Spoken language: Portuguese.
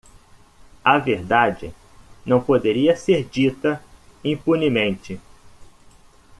A verdade não poderia ser dita impunemente.